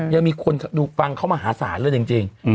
ยังมีคนดูฟังเขามหาศาลเลยจริง